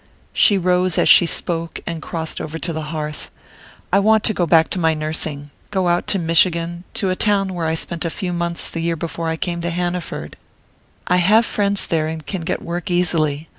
She rose as she spoke, and crossed over to the hearth. "I want to go back to my nursing to go out to Michigan, to a town where I spent a few months the year before I first came to Hanaford. I have friends there, and can get work easily.